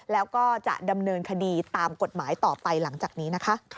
แล้วก็จะดำเนินคดีตามกฎหมายต่อไปหลังจากนี้นะคะ